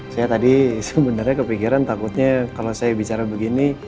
saya tadi sebenarnya kepikiran takutnya kalau saya bicara begini